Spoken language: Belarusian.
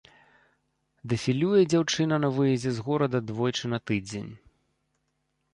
Дэфілюе дзяўчына на выездзе з горада двойчы на тыдзень.